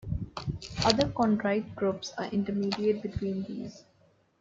Other chondrite groups are intermediate between these.